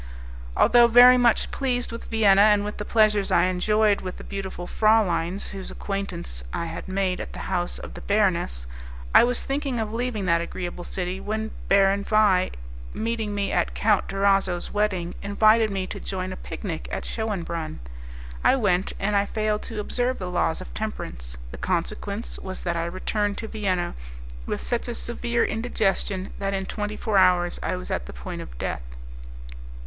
Although very much pleased with Vienna and with the pleasures I enjoyed with the beautiful frauleins, whose acquaintance I had made at the house of the baroness, I was thinking of leaving that agreeable city, when Baron Vais, meeting me at Count Durazzo's wedding, invited me to join a picnic at Schoenbrunn. I went, and I failed to observe the laws of temperance; the consequence was that I returned to Vienna with such a severe indigestion that in twenty four hours I was at the point of death.